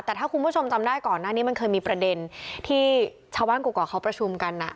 แต่ถ้าคุณผู้ชมจำได้ก่อนหน้านี้มันเคยมีประเด็นที่ชาวบ้านกรกเขาประชุมกัน